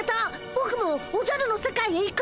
ぼくもおじゃるの世界へ行く！